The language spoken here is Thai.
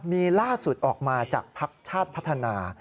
มีล่าสุดออกมาจากภักดิ์ชาติพัฒนา